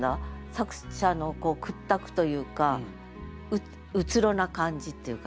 作者の屈託というかうつろな感じっていうかね。